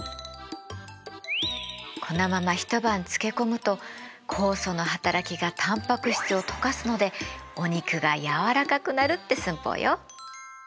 このまま一晩漬け込むと酵素の働きがタンパク質を溶かすのでお肉が柔らかくなるって寸法よ。